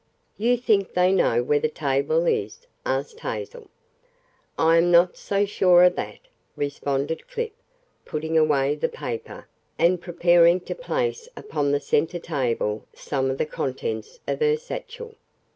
"You think they know where the table is?" asked Hazel. "I am not so sure of that," responded Clip, putting away the paper and preparing to place upon the center table some of the contents of her satchel.